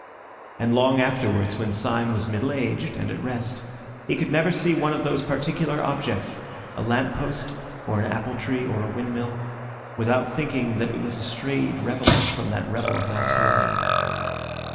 And long afterwards, when Syme was middle aged and at rest, he could never see one of those particular objects—a lamppost, or an apple tree, or a windmill—without thinking that it was a strayed reveller from that revel of masquerade.